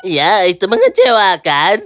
ya itu mengecewakan